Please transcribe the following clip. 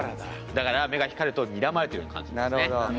だから目が光るとにらまれているように感じるんですね。